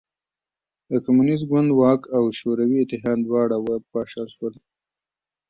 د کمونېست ګوند واک او شوروي اتحاد دواړه وپاشل شول